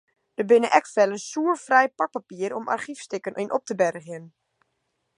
Der binne ek fellen soerfrij pakpapier om argyfstikken yn op te bergjen.